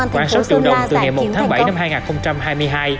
khoảng sáu triệu đồng từ ngày một tháng bảy năm hai nghìn hai mươi hai